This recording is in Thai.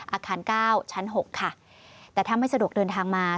อาคารเก้าชั้นหกค่ะแต่ถ้าไม่สะดวกเดินทางมา